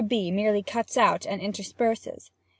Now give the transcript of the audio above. B. merely cuts out and intersperses.